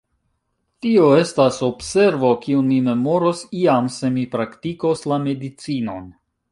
Tio estas observo, kiun mi memoros iam, se mi praktikos la medicinon.